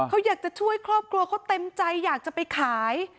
เขาอยากจะช่วยครอบครัวเขาเต็มใจอยากจะไปขาย